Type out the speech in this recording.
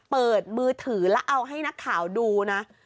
เปิดมือถือแล้วเอาให้นักข่าวดูนะ